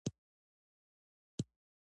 افغانستان د چرګان په اړه علمي څېړنې لري.